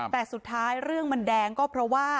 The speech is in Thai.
แต่สุดท้ายเรื่องมันแดงก็เพราะว่า